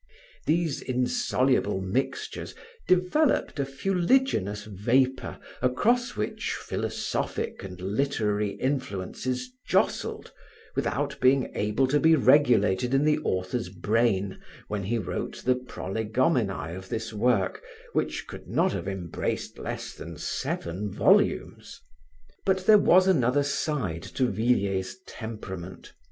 These insoluble mixtures developed a fuliginous vapor across which philosophic and literary influences jostled, without being able to be regulated in the author's brain when he wrote the prolegomenae of this work which could not have embraced less than seven volumes. But there was another side to Villiers' temperament.